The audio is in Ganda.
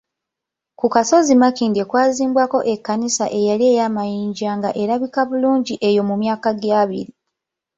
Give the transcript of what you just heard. Ku kasozi Makindye kwazimbwako ekkanisa eyali ey’amayinja nga erabika bulungi eyo mu myaka gy'abiri.